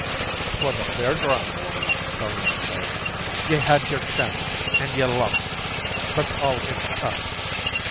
"'Twas a fair drawin'," Sullivan said. "Ye had yer chanct an' ye lost, that's all iv ut."